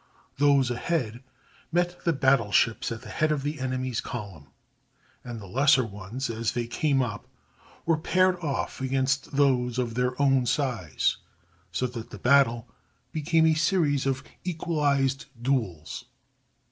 Those ahead met the battle ships at the head of the enemy's column, and the lesser ones, as they came up, were paired off against those of their own size, so that the battle became a series of equalized duels.